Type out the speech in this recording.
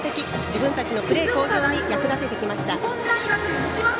自分たちのプレー向上に役立ててきました。